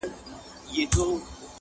o په يوه گل نه پسرلي کېږي!